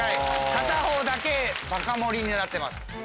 片方だけバカ盛りになってます。